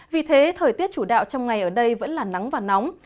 vì thế thời tiết chủ đạo trong ngày ở đây vẫn là nắng và nóng